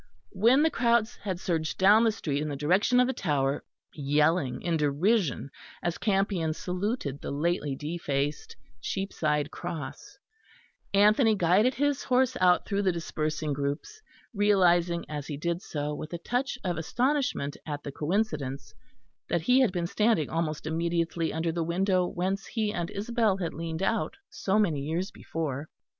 When the crowds had surged down the street in the direction of the Tower, yelling in derision as Campion saluted the lately defaced Cheapside Cross, Anthony guided his horse out through the dispersing groups, realising as he did so, with a touch of astonishment at the coincidence, that he had been standing almost immediately under the window whence he and Isabel had leaned out so many years before.